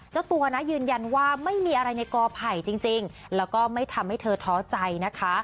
เจ้าตัวนะยืนยันว่าไม่มีอะไรในกอไผ่จริงแล้วก็ไม่ทำให้เธอท้อใจนะคะ